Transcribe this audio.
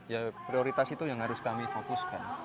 ya prioritas itu yang harus kami fokuskan